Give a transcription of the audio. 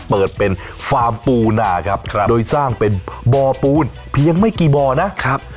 เปิดเป็นฟาร์มปูนาครับโดยสร้างเป็นบ่อปูนเพียงไม่กี่บ่อนะครับ